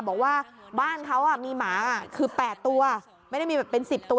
บอกว่าบ้านเขามีหมาคือ๘ตัวไม่ได้มีแบบเป็น๑๐ตัว